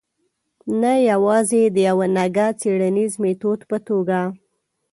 نه یوازې د یوه نګه څېړنیز میتود په توګه.